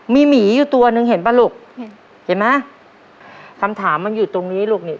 มีหมีอยู่ตัวหนึ่งเห็นป่ะลูกเห็นไหมคำถามมันอยู่ตรงนี้ลูกนี่